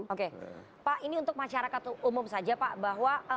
oke pak ini untuk masyarakat umum saja pak bahwa